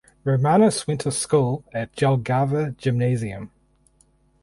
Romanas went to school at Jelgava Gymnasium.